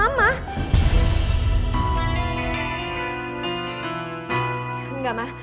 tante farah merawat mama